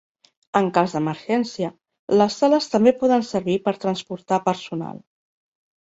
En cas d'emergència, les ales també poden servir per transportar personal.